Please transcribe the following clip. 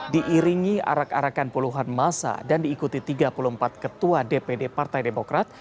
diiringi arak arakan puluhan masa dan diikuti tiga puluh empat ketua dpd partai demokrat